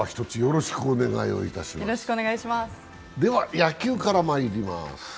では野球からまいります。